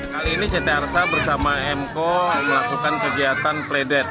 kali ini ct arsa bersama emco melakukan kegiatan playdate